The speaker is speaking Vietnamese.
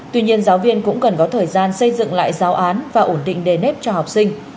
tuy nhiên giáo viên cũng cần có thời gian xây dựng lại giáo án và ổn định đề nếp cho học sinh